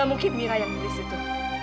gak mungkin mila yang nulis itu